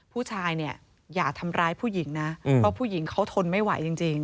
ผู้ชายเนี่ยอย่าทำร้ายผู้หญิงนะเพราะผู้หญิงเขาทนไม่ไหวจริง